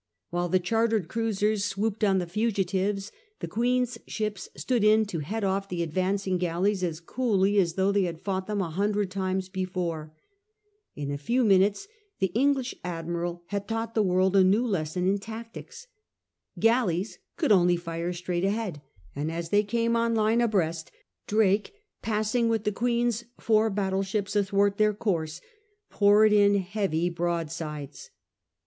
While the chartered cruisers swooped on the fugitives, the Queen's ships stood in to head off the advancing galleys as coolly as though they had fought them a hundred times before. In a few minutes the English Admirfl1_jmr^ tq"ght th^ wnrH ajn^ j^esson jn tactiijs. Galleys could only fire straight ahead ; and as they came on line abreast, Drake, passing with the Queen's four battle ships athwart their course, poured in his heavy broadsides.